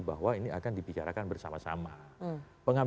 bahwa ini akan dibicarakan bersama sama